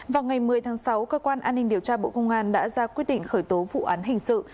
vào ngày một mươi tháng sáu cơ quan an ninh điều tra bộ công an đã ra quyết định khởi tố vụ án hình sự